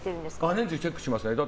年中チェックしますね。